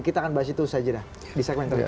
kita akan bahas itu saja dah di segmen telekomensi